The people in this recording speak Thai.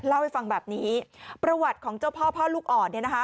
เล่าให้ฟังแบบนี้ประวัติของเจ้าพ่อพ่อลูกอ่อนเนี่ยนะคะ